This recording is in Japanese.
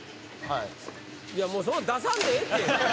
いやもう出さんでええって！